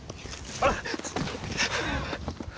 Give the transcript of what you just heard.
あっ！